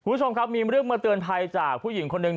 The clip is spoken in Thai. คุณผู้ชมครับมีเรื่องมาเตือนภัยจากผู้หญิงคนหนึ่ง